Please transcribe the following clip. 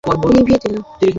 আগুন নিভিয়ে দিল।